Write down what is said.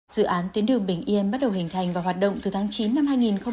dự án tuyến đường bình yên bắt đầu hình thành và hoạt động từ tháng chín năm hai nghìn một mươi chín